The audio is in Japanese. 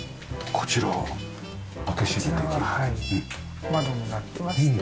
こちらは窓になってまして。